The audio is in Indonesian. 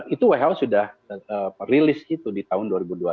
itu who sudah rilis itu di tahun dua ribu dua puluh